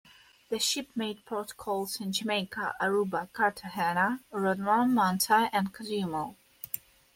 The ship made port calls in Jamaica, Aruba, Cartagena, Rodman, Manta and Cozumel.